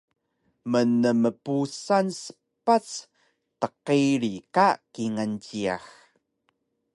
mnempusal spac tqiri ka kingal jiyax